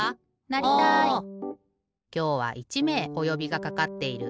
きょうは１めいおよびがかかっている。